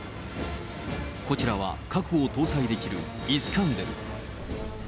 こちらは核を搭載できるイスカンデル。